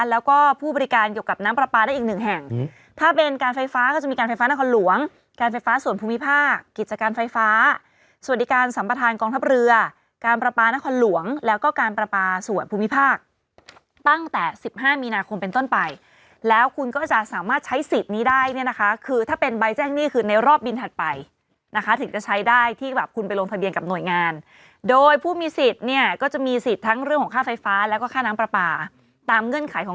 แล้วก็ผู้บริการเกี่ยวกับน้ำปรป่าได้อีก๑แห่งถ้าเป็นการไฟฟ้าก็จะมีการไฟฟ้านครหลวงการไฟฟ้าสวนภูมิภาคกิจการไฟฟ้าสวดิการสัมประธานกองทัพเรือการปรป่านครหลวงแล้วก็การปรป่าสวนภูมิภาคตั้งแต่๑๕มีนาคมเป็นต้นไปแล้วคุณก็จะสามารถใช้สิทธิ์นี้ได้เนี่ยนะคะคือถ้าเป็น